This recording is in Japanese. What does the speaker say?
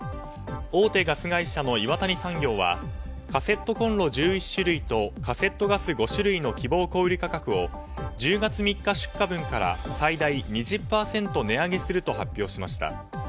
大手ガス会社の岩谷産業はカセットコンロ１１種類とカセットガス５種類の希望小売価格を１０月３日分から最大２０％値上げすると発表しました。